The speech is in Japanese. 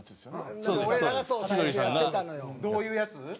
どういうやつ？